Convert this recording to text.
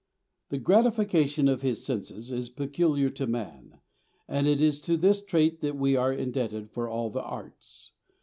The gratification of his senses is peculiar to man, and it is to this trait that we are indebted for all the arts.